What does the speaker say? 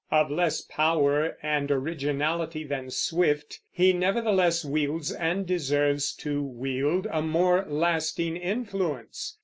Of less power and originality than Swift, he nevertheless wields, and deserves to wield, a more lasting influence.